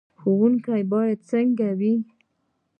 ښوونکی باید څنګه وي؟